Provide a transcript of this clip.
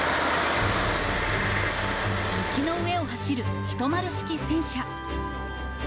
雪の上を走る１０式戦車。